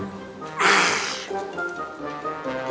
tidak bisa pak de